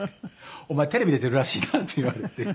「お前テレビ出てるらしいな」って言われて。